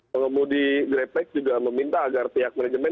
pengemudi grepek juga meminta agar pihak manajemen